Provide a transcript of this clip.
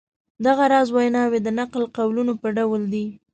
دغه راز ویناوی د نقل قولونو په ډول دي.